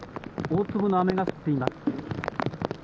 大粒の雨が降っています。